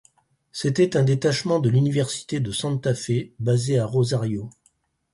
C'était un détachement de l'université de Santa Fe basée à Rosario.